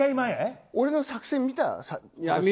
俺の作戦、見た。